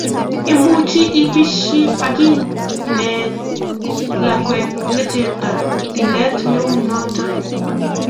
imuchi ibischi akinen lakweng'ung' ne chebto tilet neu noto